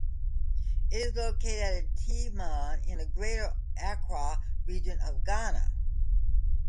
It is located at Tema in the Greater Accra Region of Ghana.